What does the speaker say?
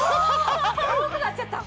青くなっちゃった！